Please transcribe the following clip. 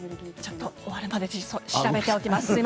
ちょっと終わりまでに調べておきます。